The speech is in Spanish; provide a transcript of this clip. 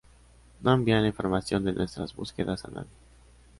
No envían la información de nuestras búsquedas a nadie